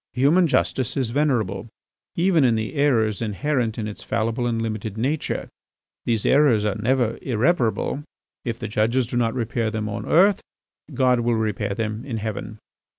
Human justice is venerable even in the errors inherent in its fallible and limited nature. These errors are never irreparable; if the judges do not repair them on earth, God will repair them in Heaven.